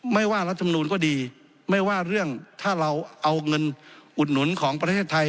ไม่ว่ารัฐมนูลก็ดีไม่ว่าเรื่องถ้าเราเอาเงินอุดหนุนของประเทศไทย